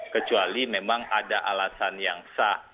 kecuali memang ada alasan yang sah